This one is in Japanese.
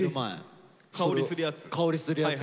香りするやつ？